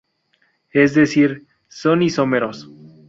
Es decir, son isómeros.